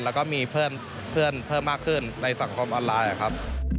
แล้วก็มีเพื่อนเพิ่มมากขึ้นในสังคมออนไลน์ครับ